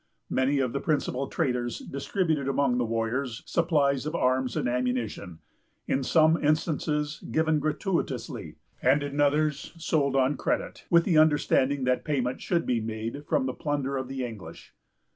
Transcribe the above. Many of the principal traders distributed among the warriors supplies of arms and ammunition, in some instances given gratuitously, and in others sold on credit, with the understanding that payment should be made from the plunder of the English.